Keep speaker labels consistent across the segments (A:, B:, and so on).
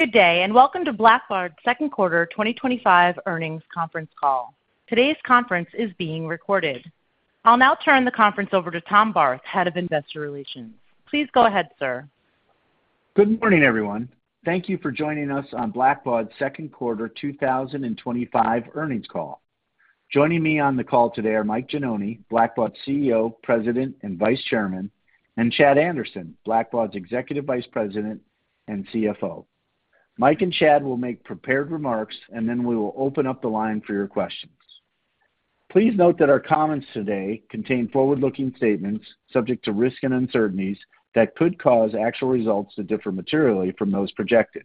A: Good day, and welcome to Blackbaud's second quarter 2025 earnings conference call. Today's conference is being recorded. I'll now turn the conference over to Tom Barth, Head of Investor Relations. Please go ahead, sir.
B: Good morning, everyone. Thank you for joining us on Blackbaud's second quarter 2025 earnings call. Joining me on the call today are Mike Gianoni, Blackbaud's CEO, President, and Vice Chairman, and Chad Anderson, Blackbaud's Executive Vice President and CFO. Mike and Chad will make prepared remarks, then we will open up the line for your questions. Please note that our comments today contain forward-looking statements subject to risk and uncertainties that could cause actual results to differ materially from those projected.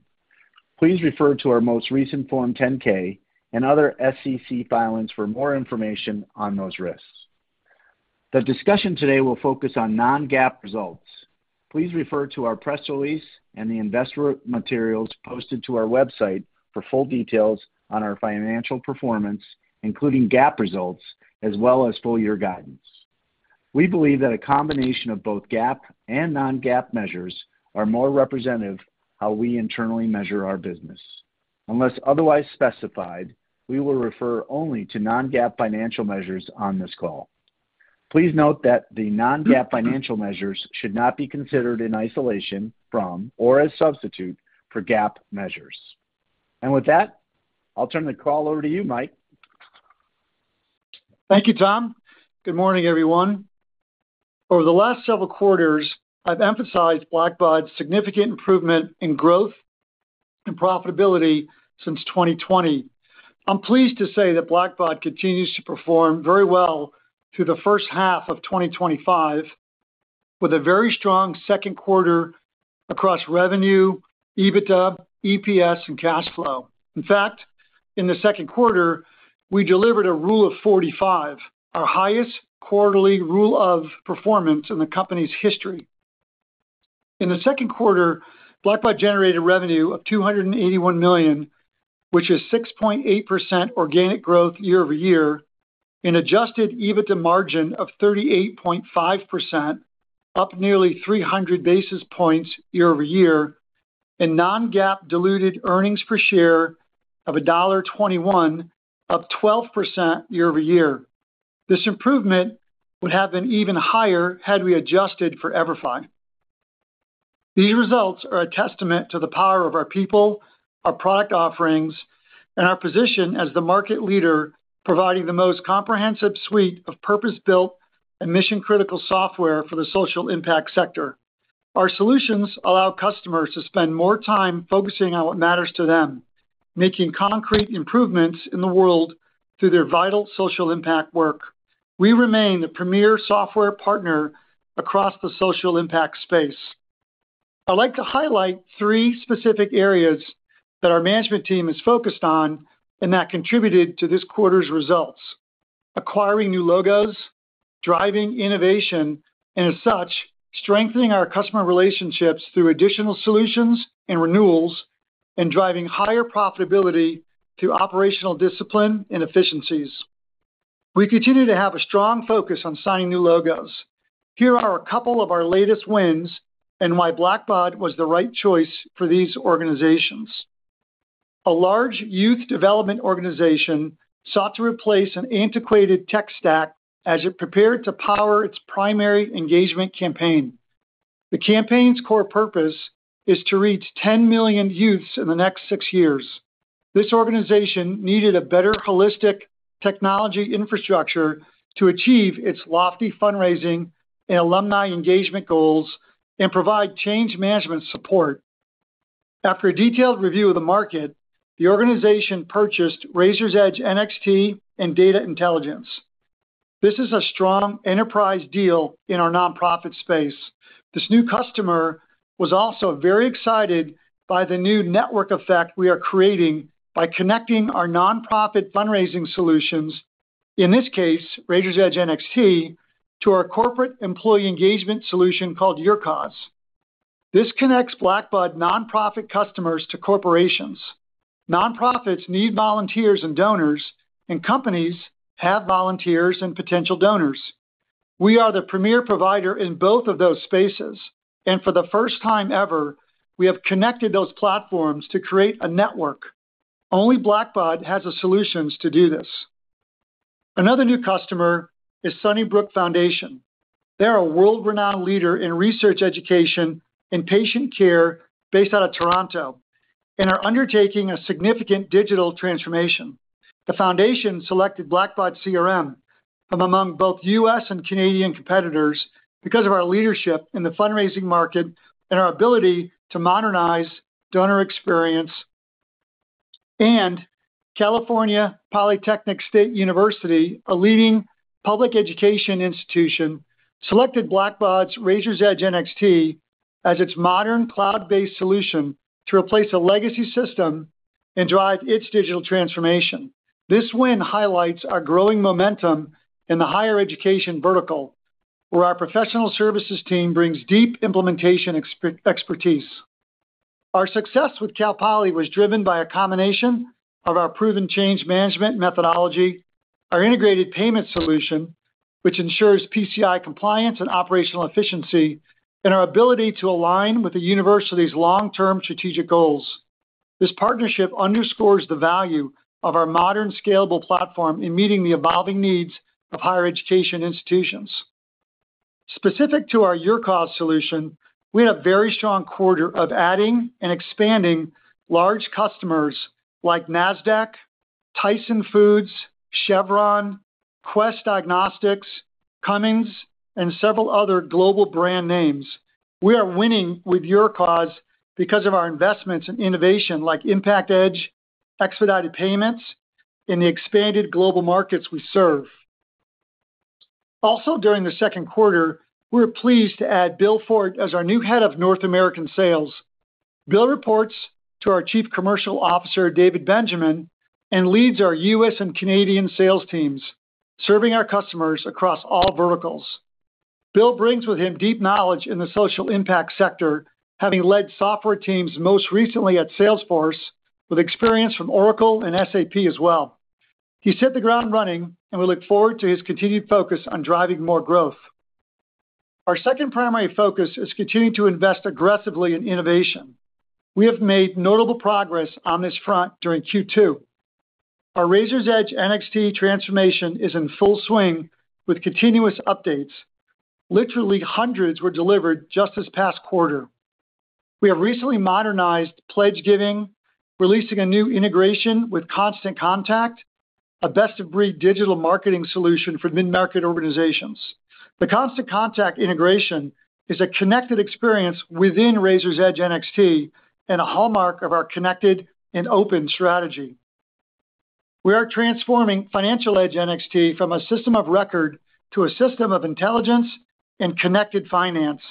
B: Please refer to our most recent Form 10-K and other SEC filings for more information on those risks. The discussion today will focus on non-GAAP results. Please refer to our press release and the investor materials posted to our website for full details on our financial performance, including GAAP results as well as full-year guidance. We believe that a combination of both GAAP and non-GAAP measures is more representative of how we internally measure our business. Unless otherwise specified, we will refer only to non-GAAP financial measures on this call. Please note that the non-GAAP financial measures should not be considered in isolation from or as a substitute for GAAP measures. With that, I'll turn the call over to you, Mike.
C: Thank you, Tom. Good morning, everyone. Over the last several quarters, I've emphasized Blackbaud's significant improvement in growth and profitability since 2020. I'm pleased to say that Blackbaud continues to perform very well through the first half of 2025, with a very strong second quarter across revenue, EBITDA, EPS, and cash flow. In fact, in the second quarter, we delivered a rule of 45, our highest quarterly rule of performance in the company's history. In the second quarter, Blackbaud generated revenue of $281 million, which is 6.8% organic growth year-over-year, an adjusted EBITDA margin of 38.5%, up nearly 300 basis points year-over-year, and non-GAAP diluted earnings per share of $1.21, up 12% year-over-year. This improvement would have been even higher had we adjusted for EVERFI. These results are a testament to the power of our people, our product offerings, and our position as the market leader, providing the most comprehensive suite of purpose-built and mission-critical software for the social impact sector. Our solutions allow customers to spend more time focusing on what matters to them, making concrete improvements in the world through their vital social impact work. We remain the premier software partner across the social impact space. I'd like to highlight three specific areas that our management team is focused on and that contributed to this quarter's results: acquiring new logos, driving innovation, and as such, strengthening our customer relationships through additional solutions and renewals, and driving higher profitability through operational discipline and efficiencies. We continue to have a strong focus on signing new logos. Here are a couple of our latest wins and why Blackbaud was the right choice for these organizations. A large youth development organization sought to replace an antiquated tech stack as it prepared to power its primary engagement campaign. The campaign's core purpose is to reach 10 million youths in the next six years. This organization needed a better holistic technology infrastructure to achieve its lofty fundraising and alumni engagement goals and provide change management support. After a detailed review of the market, the organization purchased Raiser's Edge NXT and Data Intelligence. This is a strong enterprise deal in our nonprofit space. This new customer was also very excited by the new network effect we are creating by connecting our nonprofit fundraising solutions, in this case, Raiser's Edge NXT, to our corporate employee engagement solution called YourCause. This connects Blackbaud nonprofit customers to corporations. Nonprofits need volunteers and donors, and companies have volunteers and potential donors. We are the premier provider in both of those spaces, and for the first time ever, we have connected those platforms to create a network. Only Blackbaud has the solutions to do this. Another new customer is Sunnybrook Foundation. They're a world-renowned leader in research, education, and patient care based out of Toronto and are undertaking a significant digital transformation. The foundation selected Blackbaud CRM among both U.S. and Canadian competitors because of our leadership in the fundraising market and our ability to modernize donor experience. California Polytechnic State University, a leading public education institution, selected Blackbaud's Raiser's Edge NXT as its modern cloud-based solution to replace a legacy system and drive its digital transformation. This win highlights our growing momentum in the higher education vertical, where our professional services team brings deep implementation expertise. Our success with Cal Poly was driven by a combination of our proven change management methodology, our integrated payment solution, which ensures PCI compliance and operational efficiency, and our ability to align with the university's long-term strategic goals. This partnership underscores the value of our modern, scalable platform in meeting the evolving needs of higher education institutions. Specific to our YourCause solution, we had a very strong quarter of adding and expanding large customers like Nasdaq, Tyson Foods, Chevron, Quest Diagnostics, Cummins, and several other global brand names. We are winning with YourCause because of our investments in innovation like ImpactEdge, expedited payments, and the expanded global markets we serve. Also, during the second quarter, we're pleased to add Bill Ford as our new Head of North American Sales. Bill reports to our Chief Commercial Officer, David Benjamin, and leads our U.S. and Canadian sales teams, serving our customers across all verticals. Bill brings with him deep knowledge in the social impact sector, having led software teams most recently at Salesforce, with experience from Oracle and SAP as well. He set the ground running, and we look forward to his continued focus on driving more growth. Our second primary focus is continuing to invest aggressively in innovation. We have made notable progress on this front during Q2. Our Raiser's Edge NXT transformation is in full swing with continuous updates. Literally, hundreds were delivered just this past quarter. We have recently modernized pledge giving, releasing a new integration with Constant Contact, a best-of-breed digital marketing solution for mid-market organizations. The Constant Contact integration is a connected experience within Raiser's Edge NXT and a hallmark of our connected and open strategy. We are transforming Financial Edge NXT from a system of record to a system of intelligence and connected finance.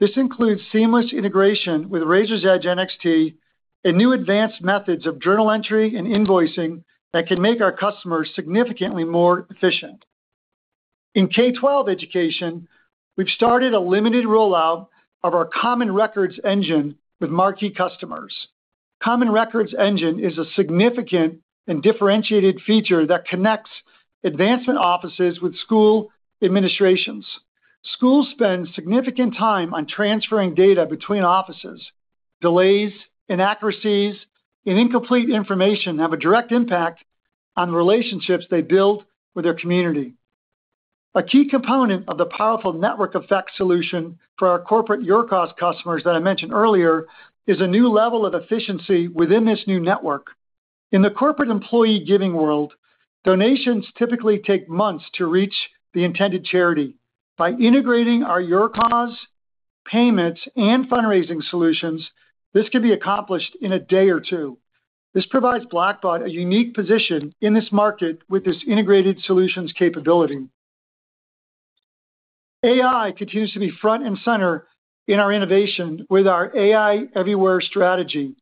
C: This includes seamless integration with Raiser's Edge NXT and new advanced methods of journal entry and invoicing that can make our customers significantly more efficient. In K-12 education, we've started a limited rollout of our Common Records Engine with marquee customers. Common Records Engine is a significant and differentiated feature that connects advancement offices with school administrations. Schools spend significant time on transferring data between offices. Delays, inaccuracies, and incomplete information have a direct impact on the relationships they build with their community. A key component of the powerful network effect solution for our corporate YourCause customers that I mentioned earlier is a new level of efficiency within this new network. In the corporate employee giving world, donations typically take months to reach the intended charity. By integrating our YourCause payments and fundraising solutions, this can be accomplished in a day or two. This provides Blackbaud a unique position in this market with this integrated solutions capability. AI continues to be front and center in our innovation with our AI Everywhere strategy.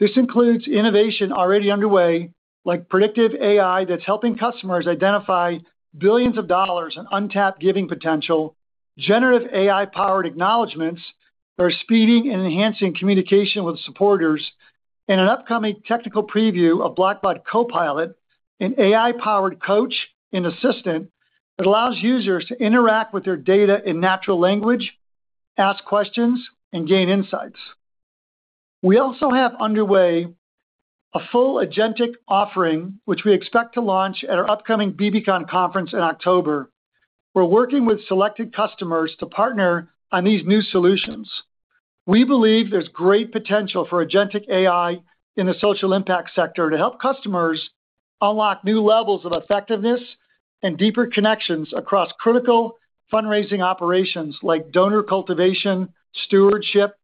C: This includes innovation already underway, like predictive AI that's helping customers identify billions of dollars in untapped giving potential, generative AI-powered acknowledgements that are speeding and enhancing communication with supporters, and an upcoming technical preview of Blackbaud Copilot, an AI-powered coach and assistant that allows users to interact with their data in natural language, ask questions, and gain insights. We also have underway a full Agentic offering, which we expect to launch at our upcoming bbcon conference in October. We're working with selected customers to partner on these new solutions. We believe there's great potential for Agentic AI in the social impact sector to help customers unlock new levels of effectiveness and deeper connections across critical fundraising operations like donor cultivation, stewardship,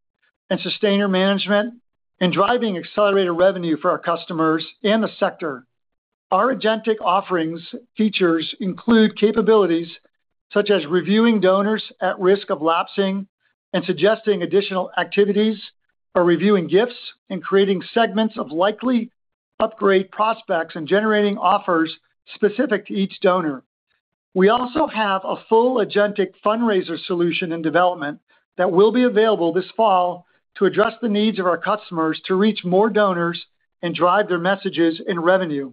C: and sustainer management, and driving accelerated revenue for our customers and the sector. Our Agentic offerings features include capabilities such as reviewing donors at risk of lapsing and suggesting additional activities, or reviewing gifts and creating segments of likely upgrade prospects and generating offers specific to each donor. We also have a full Agentic fundraiser solution in development that will be available this fall to address the needs of our customers to reach more donors and drive their messages and revenue.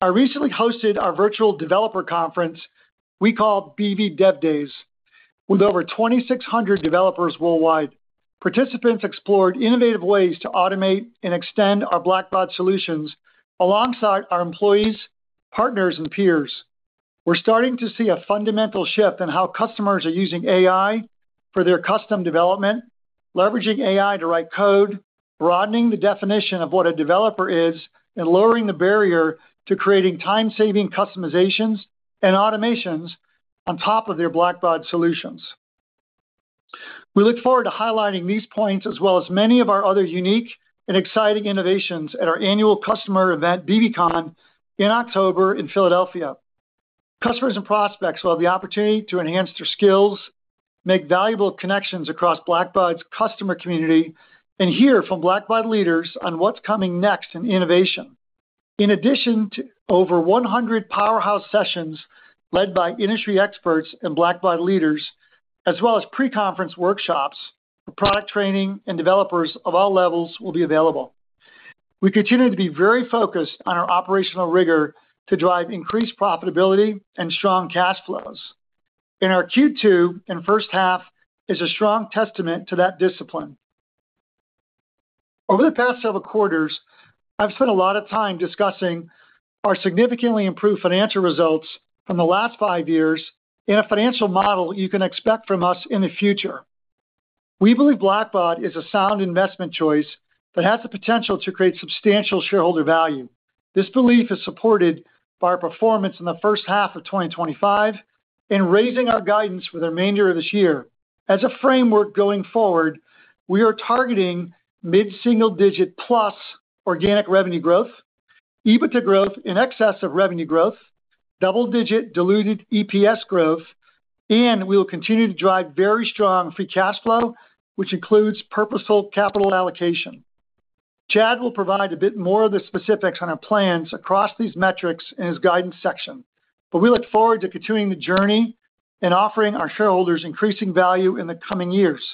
C: I recently hosted our virtual developer conference we called bbdevdays with over 2,600 developers worldwide. Participants explored innovative ways to automate and extend our Blackbaud solutions alongside our employees, partners, and peers. We're starting to see a fundamental shift in how customers are using AI for their custom development, leveraging AI to write code, broadening the definition of what a developer is, and lowering the barrier to creating time-saving customizations and automations on top of their Blackbaud solutions. We look forward to highlighting these points as well as many of our other unique and exciting innovations at our annual customer event, bbcon, in October in Philadelphia. Customers and prospects will have the opportunity to enhance their skills, make valuable connections across Blackbaud's customer community, and hear from Blackbaud leaders on what's coming next in innovation. In addition to over 100 powerhouse sessions led by industry experts and Blackbaud leaders, as well as pre-conference workshops for product training and developers of all levels will be available. We continue to be very focused on our operational rigor to drive increased profitability and strong cash flows. In our Q2 and first half is a strong testament to that discipline. Over the past several quarters, I've spent a lot of time discussing our significantly improved financial results from the last five years and a financial model you can expect from us in the future. We believe Blackbaud is a sound investment choice that has the potential to create substantial shareholder value. This belief is supported by our performance in the first half of 2025 and raising our guidance for the remainder of this year. As a framework going forward, we are targeting mid-single-digit plus organic revenue growth, EBITDA growth in excess of revenue growth, double-digit diluted EPS growth, and we will continue to drive very strong free cash flow, which includes purposeful capital allocation. Chad will provide a bit more of the specifics on our plans across these metrics in his guidance section, but we look forward to continuing the journey and offering our shareholders increasing value in the coming years.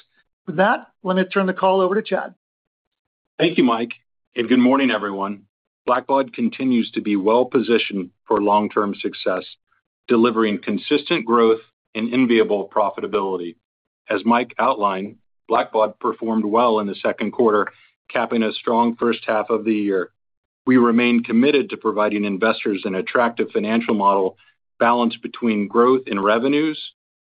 C: With that, let me turn the call over to Chad.
D: Thank you, Mike, and good morning, everyone. Blackbaud continues to be well-positioned for long-term success, delivering consistent growth and enviable profitability. As Mike outlined, Blackbaud performed well in the second quarter, capping a strong first half of the year. We remain committed to providing investors an attractive financial model balanced between growth in revenues,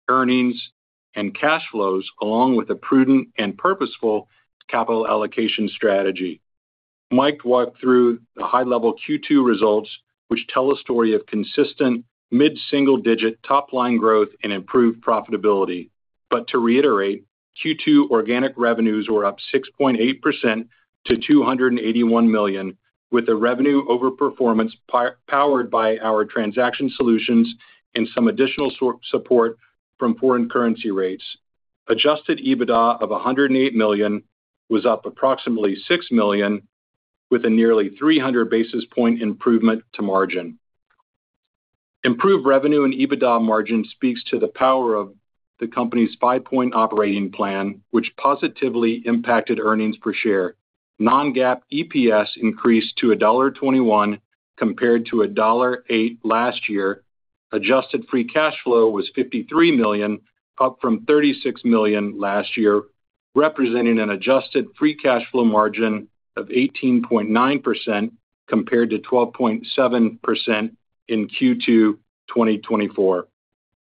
D: earnings, and cash flows, along with a prudent and purposeful capital allocation strategy. Mike walked through the high-level Q2 results, which tell a story of consistent mid-single-digit top-line growth and improved profitability. To reiterate, Q2 organic revenues were up 6.8% to $281 million, with a revenue overperformance powered by our transaction solutions and some additional support from foreign currency rates. Adjusted EBITDA of $108 million was up approximately $6 million, with a nearly 300 basis point improvement to margin. Improved revenue and EBITDA margin speak to the power of the company's five-point operating plan, which positively impacted earnings per share. Non-GAAP EPS increased to $1.21 compared to $1.08 last year. Adjusted free cash flow was $53 million, up from $36 million last year, representing an adjusted free cash flow margin of 18.9% compared to 12.7% in Q2 2024.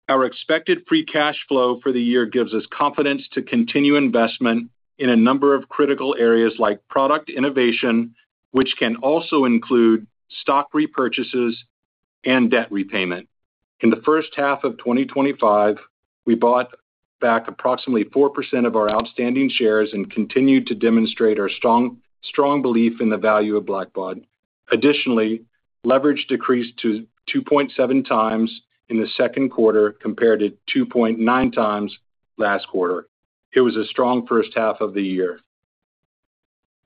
D: Our expected free cash flow for the year gives us confidence to continue investment in a number of critical areas like product innovation, which can also include stock repurchases and debt repayment. In the first half of 2025, we bought back approximately 4% of our outstanding shares and continued to demonstrate our strong belief in the value of Blackbaud. Additionally, leverage decreased to 2.7x in the second quarter compared to 2.9x last quarter. It was a strong first half of the year.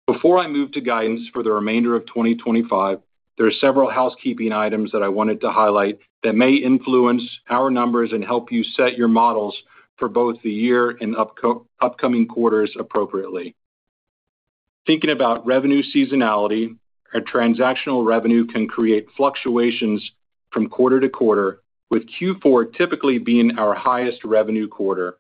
D: Before I move to guidance for the remainder of 2025, there are several housekeeping items that I wanted to highlight that may influence our numbers and help you set your models for both the year and upcoming quarters appropriately. Thinking about revenue seasonality, our transactional revenue can create fluctuations from quarter to quarter, with Q4 typically being our highest revenue quarter.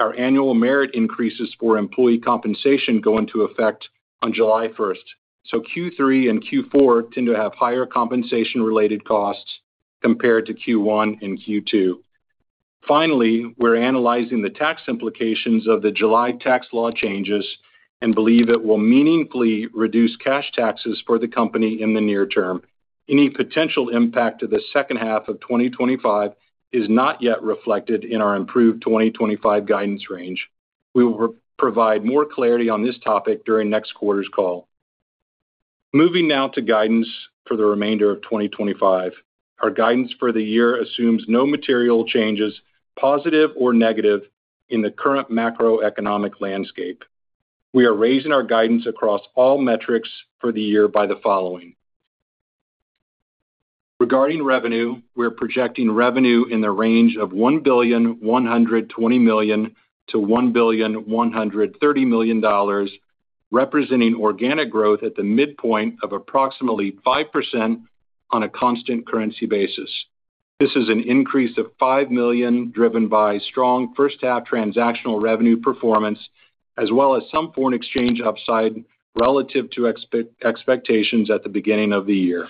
D: Our annual merit increases for employee compensation go into effect on July 1st, so Q3 and Q4 tend to have higher compensation-related costs compared to Q1 and Q2. Finally, we're analyzing the tax implications of the July tax law changes and believe it will meaningfully reduce cash taxes for the company in the near term. Any potential impact to the second half of 2025 is not yet reflected in our improved 2025 guidance range. We will provide more clarity on this topic during next quarter's call. Moving now to guidance for the remainder of 2025. Our guidance for the year assumes no material changes, positive or negative, in the current macroeconomic landscape. We are raising our guidance across all metrics for the year by the following: Regarding revenue, we're projecting revenue in the range of $1,120 million-$1,130 million, representing organic growth at the midpoint of approximately 5% on a constant currency basis. This is an increase of $5 million driven by strong first-half transactional revenue performance, as well as some foreign exchange upside relative to expectations at the beginning of the year.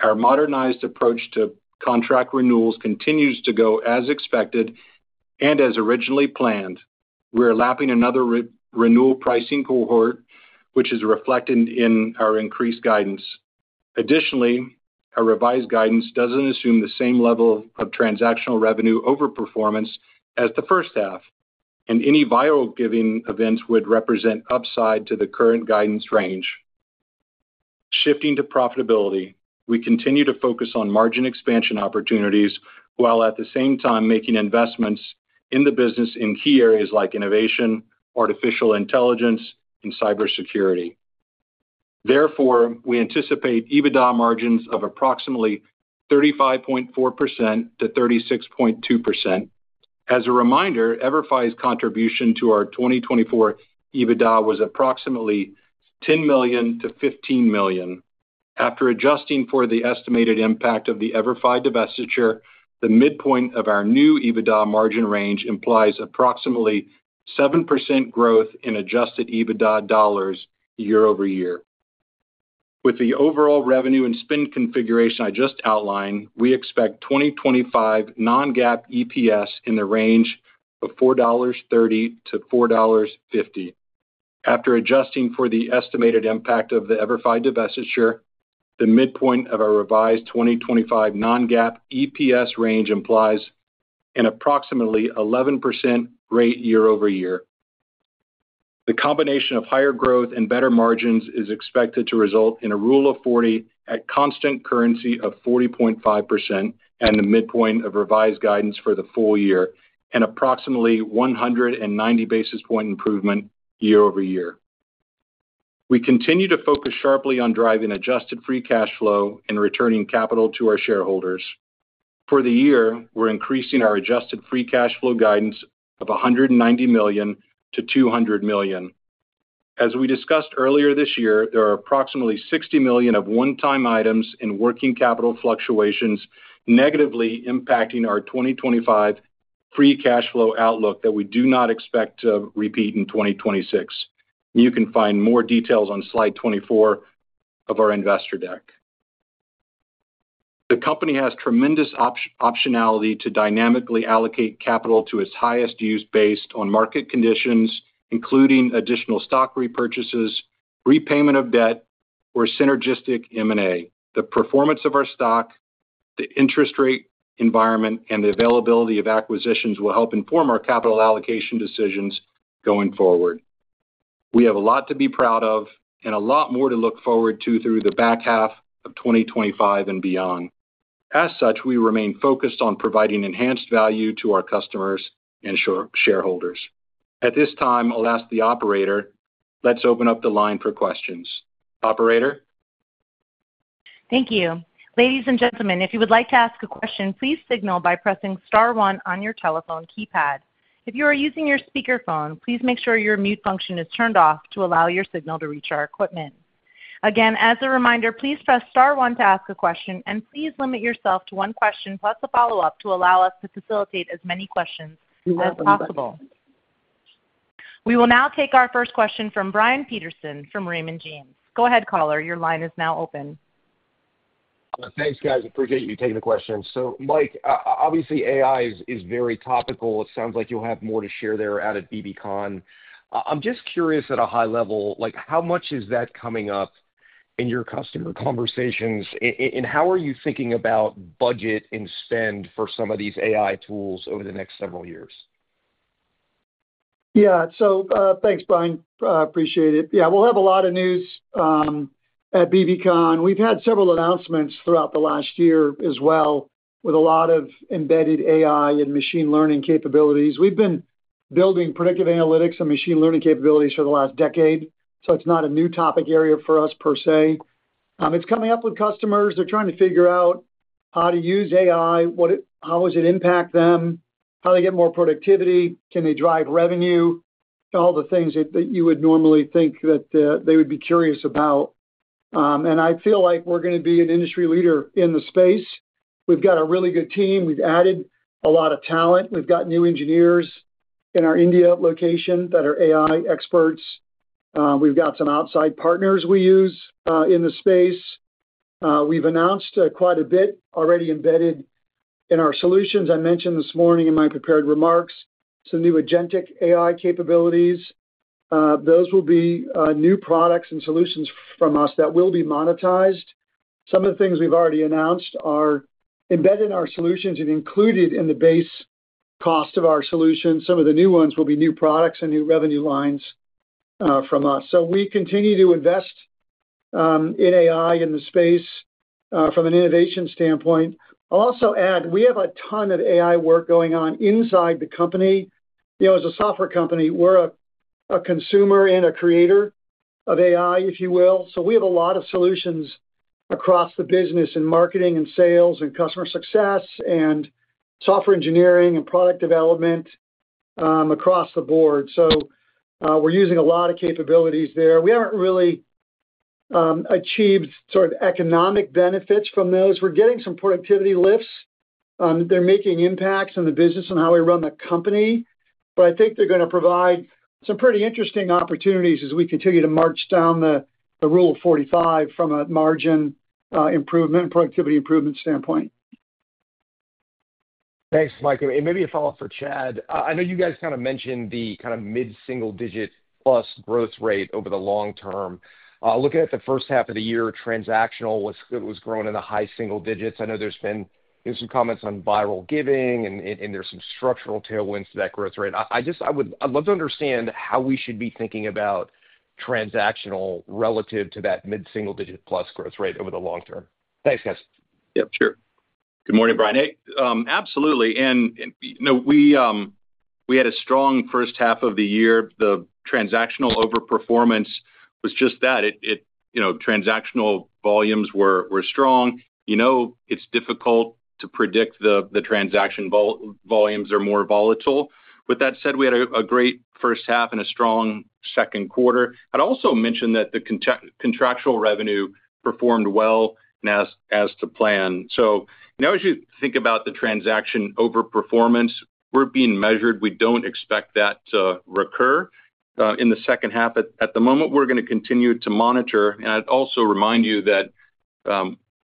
D: Our modernized approach to contract renewals continues to go as expected and as originally planned. We're lapping another renewal pricing cohort, which is reflected in our increased guidance. Additionally, our revised guidance doesn't assume the same level of transactional revenue overperformance as the first half, and any viral giving events would represent upside to the current guidance range. Shifting to profitability, we continue to focus on margin expansion opportunities while at the same time making investments in the business in key areas like innovation, artificial intelligence, and cybersecurity. Therefore, we anticipate EBITDA margins of approximately 35.4%-36.2%. As a reminder, EVERFI's contribution to our 2024 EBITDA was approximately $10 million-$15 million. After adjusting for the estimated impact of the EVERFI divestiture, the midpoint of our new EBITDA margin range implies approximately 7% growth in adjusted EBITDA dollars year-over-year. With the overall revenue and spend configuration I just outlined, we expect 2025 non-GAAP EPS in the range of $4.30-$4.50. After adjusting for the estimated impact of the EVERFI divestiture, the midpoint of our revised 2025 non-GAAP EPS range implies an approximately 11% rate year-over-year. The combination of higher growth and better margins is expected to result in a rule of 40 at constant currency of 40.5% at the midpoint of revised guidance for the full year and approximately 190 basis point improvement year-over-year. We continue to focus sharply on driving adjusted free cash flow and returning capital to our shareholders. For the year, we're increasing our adjusted free cash flow guidance of $190 million-$200 million. As we discussed earlier this year, there are approximately $60 million of one-time items and working capital fluctuations negatively impacting our 2025 free cash flow outlook that we do not expect to repeat in 2026. You can find more details on slide 24 of our investor deck. The company has tremendous optionality to dynamically allocate capital to its highest use based on market conditions, including additional stock repurchases, repayment of debt, or synergistic M&A. The performance of our stock, the interest rate environment, and the availability of acquisitions will help inform our capital allocation decisions going forward. We have a lot to be proud of and a lot more to look forward to through the back half of 2025 and beyond. As such, we remain focused on providing enhanced value to our customers and shareholders. At this time, I'll ask the operator. Let's open up the line for questions. Operator?
A: Thank you. Ladies and gentlemen, if you would like to ask a question, please signal by pressing star one on your telephone keypad. If you are using your speakerphone, please make sure your mute function is turned off to allow your signal to reach our equipment. Again, as a reminder, please press star one to ask a question, and please limit yourself to one question plus a follow-up to allow us to facilitate as many questions as possible. We will now take our first question from Brian Peterson from Raymond James. Go ahead, caller. Your line is now open.
E: Thanks, guys. I appreciate you taking the question. Mike, obviously, AI is very topical. It sounds like you'll have more to share there out at BBcon. I'm just curious at a high level, like how much is that coming up in your customer conversations, and how are you thinking about budget and spend for some of these AI tools over the next several years?
C: Yeah, thanks, Brian. I appreciate it. We'll have a lot of news at bbcon. We've had several announcements throughout the last year as well with a lot of embedded AI and machine learning capabilities. We've been building predictive analytics and machine learning capabilities for the last decade, so it's not a new topic area for us per se. It's coming up with customers. They're trying to figure out how to use AI, how does it impact them, how do they get more productivity, can they drive revenue, and all the things that you would normally think that they would be curious about. I feel like we're going to be an industry leader in the space. We've got a really good team. We've added a lot of talent. We've got new engineers in our India location that are AI experts. We've got some outside partners we use in the space. We've announced quite a bit already embedded in our solutions. I mentioned this morning in my prepared remarks some new Agentic AI capabilities. Those will be new products and solutions from us that will be monetized. Some of the things we've already announced are embedded in our solutions and included in the base cost of our solutions. Some of the new ones will be new products and new revenue lines from us. We continue to invest in AI in the space from an innovation standpoint. I'll also add we have a ton of AI work going on inside the company. You know, as a software company, we're a consumer and a creator of AI, if you will. We have a lot of solutions across the business in marketing and sales and customer success and software engineering and product development across the board. We're using a lot of capabilities there. We haven't really achieved sort of economic benefits from those. We're getting some productivity lifts. They're making impacts in the business and how we run the company, but I think they're going to provide some pretty interesting opportunities as we continue to march down the rule of 45 from a margin improvement and productivity improvement standpoint.
E: Thanks, Mike. Maybe a follow-up for Chad. I know you guys kind of mentioned the kind of mid-single-digit plus growth rate over the long term. Looking at the first half of the year, transactional was growing in the high single digits. I know there's been some comments on viral giving, and there's some structural tailwinds to that growth rate. I'd love to understand how we should be thinking about transactional relative to that mid-single-digit plus growth rate over the long term. Thanks, guys. Yeah.
D: Sure. Good morning, Brian. Absolutely. We had a strong first half of the year. The transactional overperformance was just that. Transactional volumes were strong. It's difficult to predict; the transaction volumes are more volatile. With that said, we had a great first half and a strong second quarter. I'd also mention that the contractual revenue performed well and as to plan. As you think about the transaction overperformance, we're being measured. We don't expect that to recur in the second half. At the moment, we're going to continue to monitor. I'd also remind you that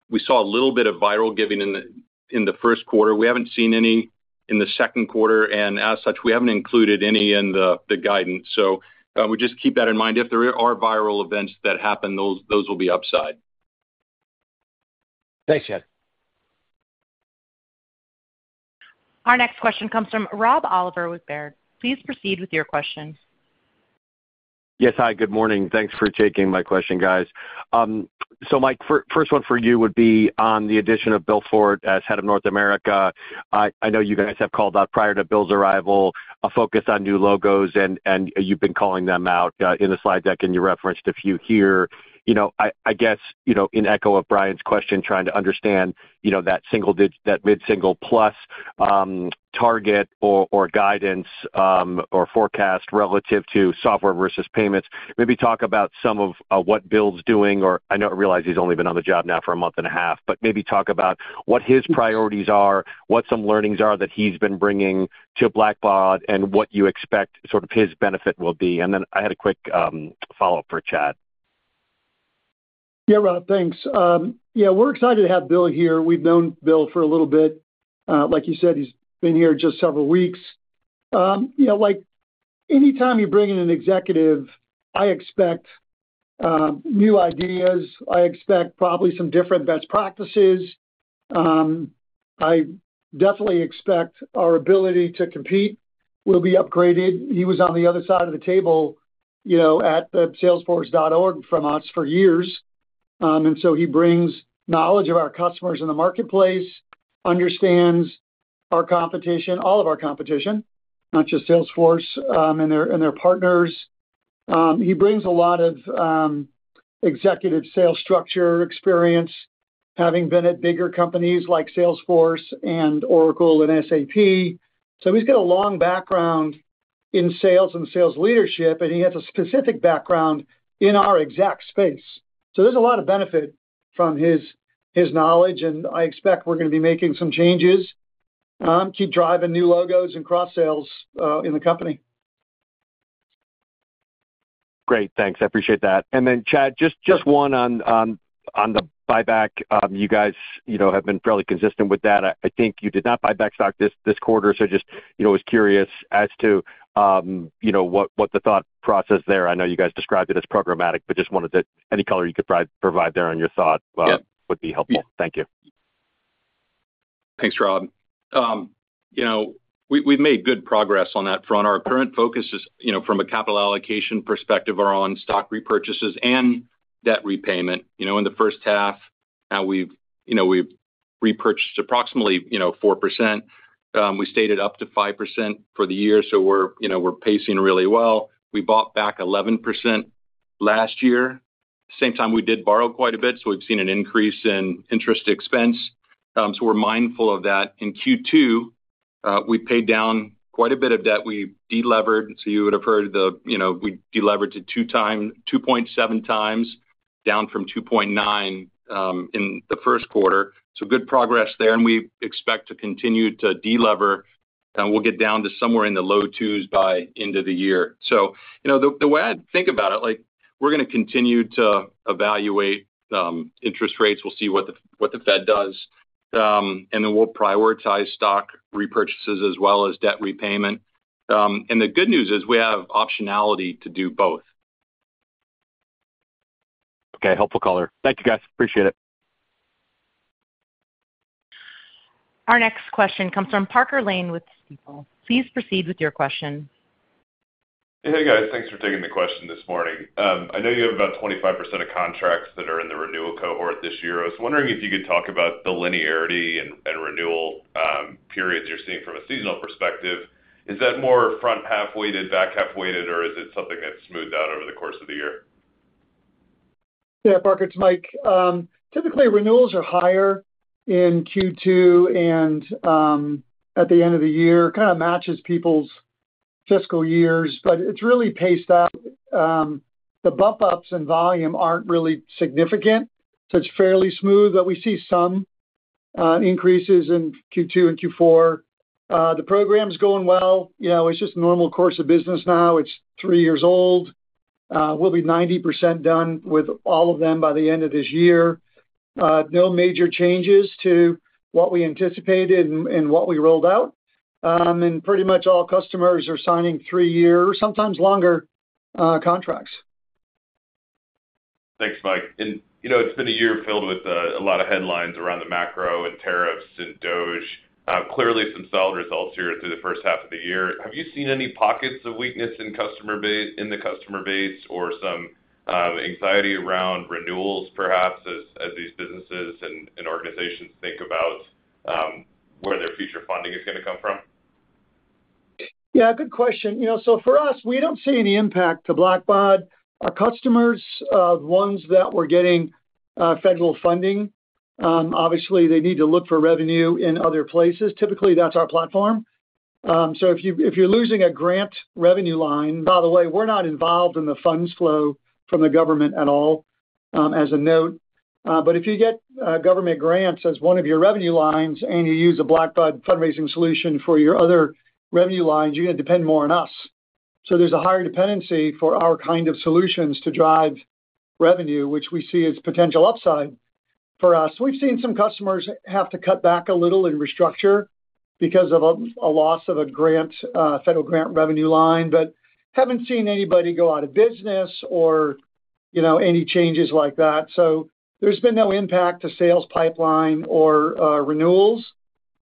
D: we saw a little bit of viral giving in the first quarter. We haven't seen any in the second quarter, and as such, we haven't included any in the guidance. Just keep that in mind. If there are viral events that happen, those will be upside.
E: Thanks, Chad.
A: Our next question comes from Rob Oliver with Baird. Please proceed with your question.
F: Yes, hi. Good morning. Thanks for taking my question, guys. Mike, first one for you would be on the addition of Bill Ford as Head of North American Sales. I know you guys have called out prior to Bill's arrival a focus on new logos, and you've been calling them out in the slide deck, and you referenced a few here. In echo of Brian's question, trying to understand that mid-single plus target or guidance or forecast relative to software versus payments. Maybe talk about some of what Bill's doing, or I realize he's only been on the job now for a month and a half, but maybe talk about what his priorities are, what some learnings are that he's been bringing to Blackbaud, and what you expect sort of his benefit will be. I had a quick follow-up for Chad.
C: Yeah, Rob, thanks. We're excited to have Bill here. We've known Bill for a little bit. Like you said, he's been here just several weeks. Like anytime you bring in an executive, I expect new ideas. I expect probably some different best practices. I definitely expect our ability to compete will be upgraded. He was on the other side of the table at Salesforce.org from us for years. He brings knowledge of our customers in the marketplace, understands our competition, all of our competition, not just Salesforce and their partners. He brings a lot of executive sales structure experience, having been at bigger companies like Salesforce, Oracle, and SAP. He's got a long background in sales and sales leadership, and he has a specific background in our exec space. There's a lot of benefit from his knowledge, and I expect we're going to be making some changes to keep driving new logos and cross-sales in the company.
F: Great, thanks. I appreciate that. Chad, just one on the buyback. You guys have been fairly consistent with that. I think you did not buy back stock this quarter, so I was curious as to what the thought process there was. I know you guys described it as programmatic, but just wanted any color you could provide there on your thought would be helpful. Thank you.
D: Thanks, Rob. We've made good progress on that front. Our current focus is, from a capital allocation perspective, on stock repurchases and debt repayment. In the first half, we've repurchased approximately 4%. We stated up to 5% for the year, so we're pacing really well. We bought back 11% last year. At the same time, we did borrow quite a bit, so we've seen an increase in interest expense. We're mindful of that. In Q2, we paid down quite a bit of debt. We delevered, so you would have heard we delevered to 2.7x, down from 2.9x in the first quarter. Good progress there, and we expect to continue to delever. We'll get down to somewhere in the low twos by the end of the year. The way I think about it, we're going to continue to evaluate interest rates. We'll see what the Fed does, and then we'll prioritize stock repurchases as well as debt repayment. The good news is we have optionality to do both.
F: Okay, helpful. Thank you, guys. Appreciate it.
A: Our next question comes from Parker Lane with Stifel. Please proceed with your question.
G: Hey, guys, thanks for taking the question this morning. I know you have about 25% of contracts that are in the renewal cohort this year. I was wondering if you could talk about the linearity and renewal periods you're seeing from a seasonal perspective. Is that more front half weighted, back half weighted, or is it something that's smoothed out over the course of the year?
C: Yeah, Parker, it's Mike. Typically, renewals are higher in Q2 and at the end of the year, kind of matches people's fiscal years, but it's really paced out. The bump-ups in volume aren't really significant, so it's fairly smooth. We see some increases in Q2 and Q4. The program's going well. It's just a normal course of business now. It's three years old. We'll be 90% done with all of them by the end of this year. No major changes to what we anticipated and what we rolled out. Pretty much all customers are signing three-year or sometimes longer contracts.
G: Thanks, Mike. It's been a year filled with a lot of headlines around the macro and tariffs and DOGE. Clearly, some solid results here through the first half of the year. Have you seen any pockets of weakness in the customer base or some anxiety around renewals, perhaps, as these businesses and organizations think about where their future funding is going to come from?
C: Yeah, good question. For us, we don't see any impact to Blackbaud. Our customers, the ones that were getting federal funding, obviously, they need to look for revenue in other places. Typically, that's our platform. If you're losing a grant revenue line, by the way, we're not involved in the funds flow from the government at all, as a note. If you get government grants as one of your revenue lines and you use a Blackbaud fundraising solution for your other revenue lines, you're going to depend more on us. There's a higher dependency for our kind of solutions to drive revenue, which we see as potential upside for us. We've seen some customers have to cut back a little and restructure because of a loss of a federal grant revenue line, but haven't seen anybody go out of business or any changes like that. There's been no impact to sales pipeline or renewals.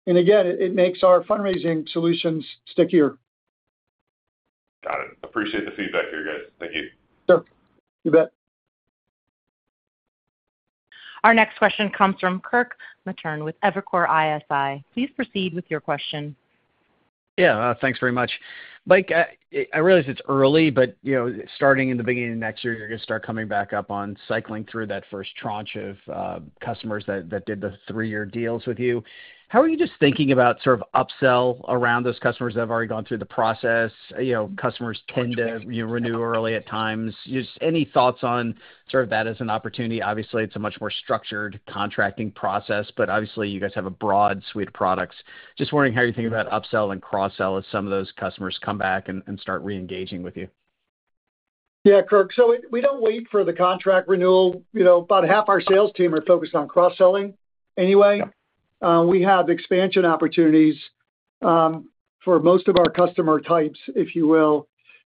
C: It makes our fundraising solutions stickier.
G: Got it. Appreciate the feedback here, guys. Thank you.
C: Sure, you bet.
A: Our next question comes from Kirk Materne with Evercore ISI. Please proceed with your question.
H: Yeah, thanks very much. Mike, I realize it's early, but starting in the beginning of next year, you're going to start coming back up on cycling through that first tranche of customers that did the three-year deals with you. How are you just thinking about sort of upsell around those customers that have already gone through the process? Customers tend to renew early at times. Just any thoughts on that as an opportunity? Obviously, it's a much more structured contracting process, but obviously, you guys have a broad suite of products. Just wondering how you think about upsell and cross-sell as some of those customers come back and start re-engaging with you.
C: Yeah, Kirk. We don't wait for the contract renewal. About half our sales team are focused on cross-selling anyway. We have expansion opportunities for most of our customer types, if you will,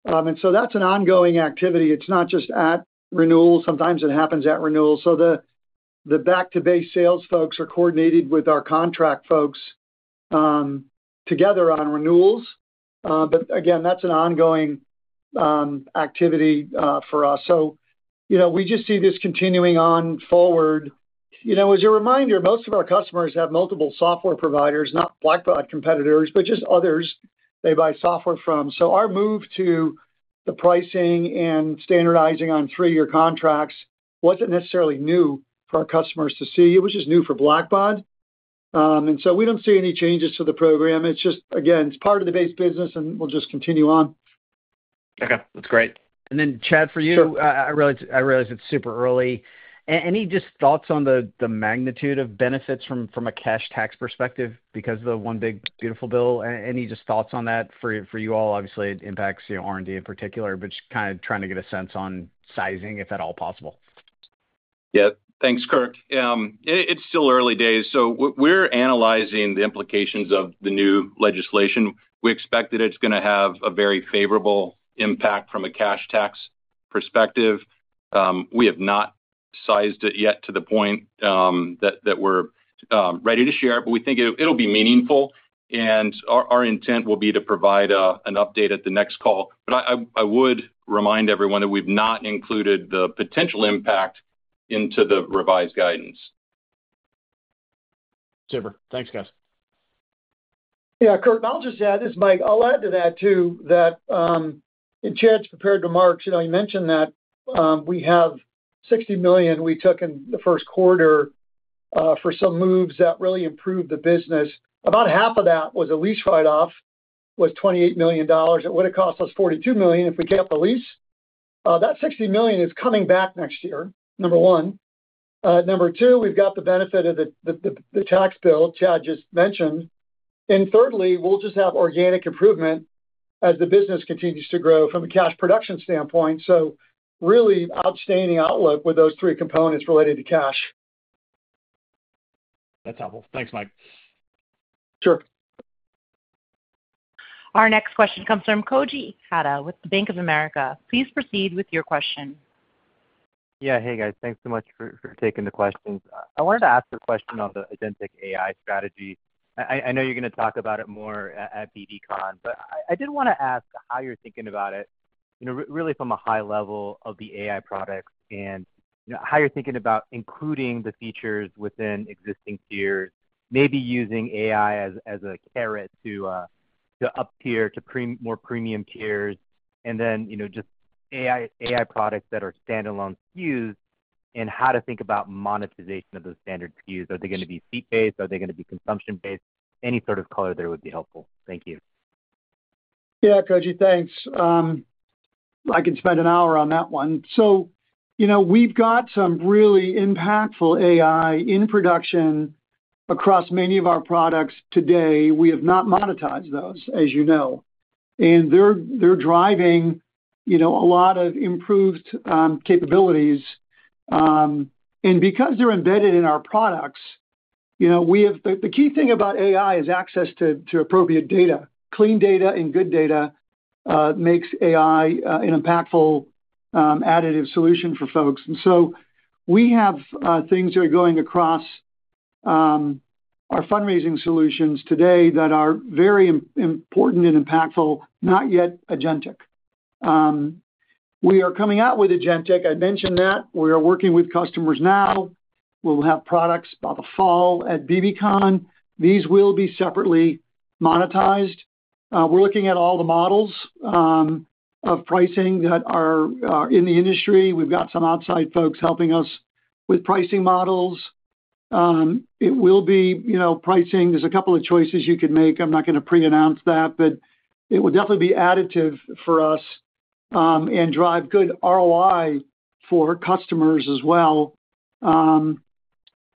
C: and that's an ongoing activity. It's not just at renewals. Sometimes it happens at renewals. The back-to-base sales folks are coordinated with our contract folks together on renewals. Again, that's an ongoing activity for us. We just see this continuing on forward. As a reminder, most of our customers have multiple software providers, not Blackbaud competitors, but just others they buy software from. Our move to the pricing and standardizing on three-year contracts wasn't necessarily new for our customers to see. It was just new for Blackbaud. We don't see any changes to the program. It's just, again, it's part of the base business, and we'll just continue on.
H: Okay, that's great. Chad, for you, I realize it's super early. Any just thoughts on the magnitude of benefits from a cash tax perspective because of the one big beautiful bill? Any just thoughts on that for you all? Obviously, it impacts R&D in particular, but just kind of trying to get a sense on sizing, if at all possible.
D: Yeah, thanks, Kirk. It's still early days. We are analyzing the implications of the new legislation. We expect that it's going to have a very favorable impact from a cash tax perspective. We have not sized it yet to the point that we're ready to share it, but we think it'll be meaningful. Our intent will be to provide an update at the next call. I would remind everyone that we've not included the potential impact into the revised guidance.
H: Super. Thanks, guys.
C: Yeah, Kirk, and I'll just add, this is Mike, I'll add to that too, that in Chad's prepared remarks, he mentioned that we have $60 million we took in the first quarter for some moves that really improved the business. About half of that was a lease write-off, was $28 million. It would have cost us $42 million if we kept the lease. That $60 million is coming back next year, number one. Number two, we've got the benefit of the tax bill Chad just mentioned. Thirdly, we'll just have organic improvement as the business continues to grow from a cash production standpoint. Really outstanding outlook with those three components related to cash.
H: That's helpful. Thanks, Mike.
C: Sure.
A: Our next question comes from Koji Ikeda with Bank of America. Please proceed with your question.
I: Yeah, hey guys, thanks so much for taking the questions. I wanted to ask a question on the Agentic AI strategy. I know you're going to talk about it more at bbcon, but I did want to ask how you're thinking about it, you know, really from a high level of the AI products and how you're thinking about including the features within existing tiers, maybe using AI as a carrot to up tier to more premium tiers, and then, you know, just AI products that are standalone SKUs and how to think about monetization of those standard SKUs. Are they going to be seat-based? Are they going to be consumption-based? Any sort of color there would be helpful. Thank you.
C: Yeah, Koji, thanks. I can spend an hour on that one. We've got some really impactful AI in production across many of our products today. We have not monetized those, as you know, and they're driving a lot of improved capabilities. Because they're embedded in our products, the key thing about AI is access to appropriate data. Clean data and good data make AI an impactful additive solution for folks. We have things that are going across our fundraising solutions today that are very important and impactful, not yet Agentic. We are coming out with Agentic. I mentioned that we are working with customers now. We'll have products by the fall at bbcon. These will be separately monetized. We're looking at all the models of pricing that are in the industry. We've got some outside folks helping us with pricing models. It will be pricing. There's a couple of choices you can make. I'm not going to pre-announce that, but it will definitely be additive for us and drive good ROI for customers as well.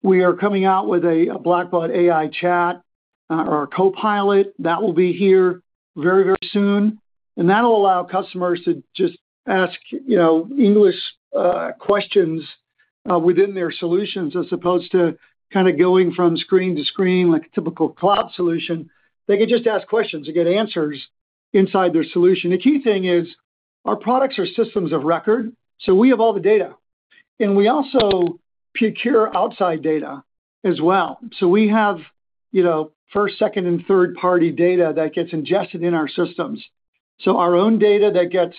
C: We are coming out with a Blackbaud AI chat or a copilot that will be here very, very soon. That'll allow customers to just ask English questions within their solutions, as opposed to kind of going from screen to screen like a typical cloud solution. They could just ask questions and get answers inside their solution. The key thing is our products are systems of record, so we have all the data. We also procure outside data as well. We have first, second, and third-party data that gets ingested in our systems. Our own data that gets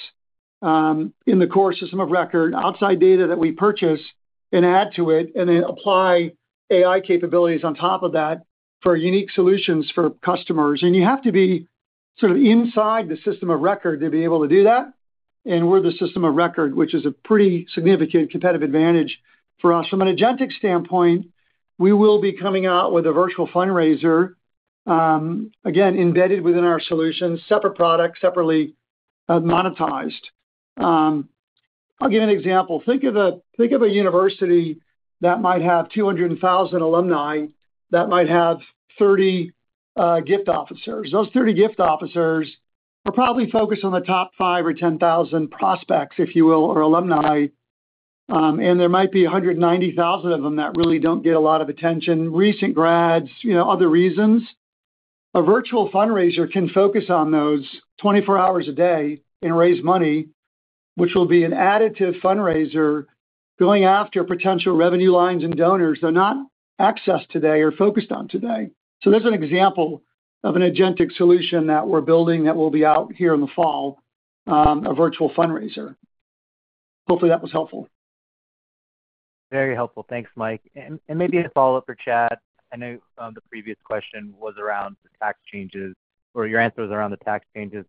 C: in the core system of record, outside data that we purchase and add to it, and then apply AI capabilities on top of that for unique solutions for customers. You have to be sort of inside the system of record to be able to do that. We're the system of record, which is a pretty significant competitive advantage for us. From an Agentic standpoint, we will be coming out with a virtual fundraiser, again, embedded within our solutions, separate products, separately monetized. I'll give you an example. Think of a university that might have 200,000 alumni that might have 30 gift officers. Those 30 gift officers are probably focused on the top 5,000 or 10,000 prospects, if you will, or alumni. There might be 190,000 of them that really don't get a lot of attention, recent grads, other reasons. A virtual fundraiser can focus on those 24 hours a day and raise money, which will be an additive fundraiser going after potential revenue lines and donors they're not accessed today or focused on today. That's an example of an Agentic solution that we're building that will be out here in the fall, a virtual fundraiser. Hopefully, that was helpful.
I: Very helpful. Thanks, Mike. Maybe a follow-up for Chad. I know the previous question was around the tax changes, or your answer was around the tax changes.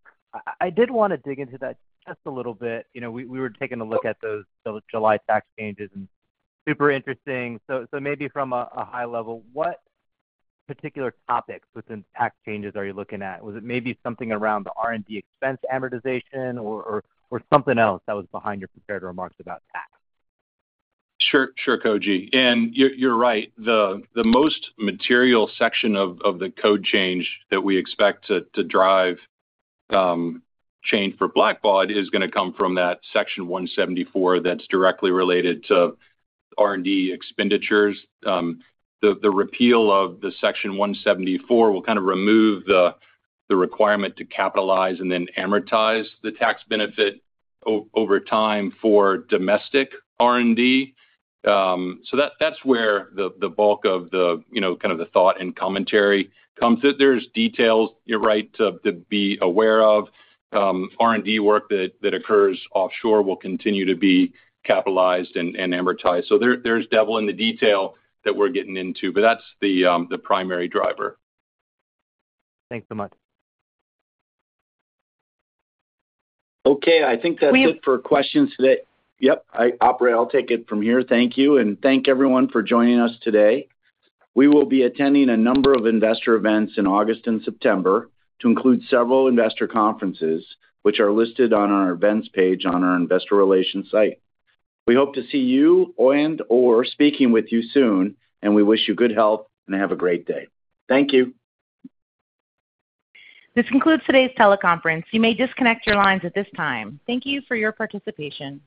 I: I did want to dig into that just a little bit. We were taking a look at those July tax changes, and super interesting. Maybe from a high level, what particular topics within tax changes are you looking at? Was it maybe something around the Section 174 R&D amortization or something else that was behind your prepared remarks about tax?
D: Sure, Koji. You're right. The most material section of the code change that we expect to drive change for Blackbaud is going to come from that Section 174 that's directly related to R&D expenditures. The repeal of Section 174 will remove the requirement to capitalize and then amortize the tax benefit over time for domestic R&D. That's where the bulk of the thought and commentary comes in. There are details, you're right, to be aware of. R&D work that occurs offshore will continue to be capitalized and amortized. There's devil in the detail that we're getting into, but that's the primary driver.
I: Thanks so much.
B: Okay, I think that's it for questions today. Yep, I'll take it from here. Thank you, and thank everyone for joining us today. We will be attending a number of investor events in August and September, including several investor conferences, which are listed on our events page on our investor relations site. We hope to see you and/or speak with you soon, and we wish you good health and have a great day. Thank you.
A: This concludes today's teleconference. You may disconnect your lines at this time. Thank you for your participation.